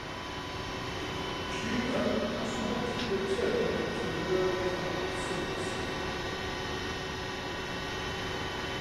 Cuba has not returned to the World Cup since.